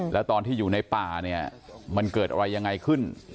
แล้วตอนที่อยู่ในป่าเนี่ยมันเกิดอะไรยังไงขึ้น